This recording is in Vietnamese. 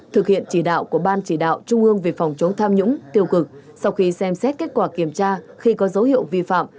thực hiện chỉ đạo của ban chỉ đạo trung ương về phòng chống tham nhũng tiêu cực sau khi xem xét kết quả kiểm tra khi có dấu hiệu vi phạm